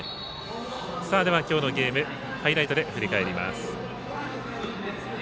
今日のゲームハイライトで振り返ります。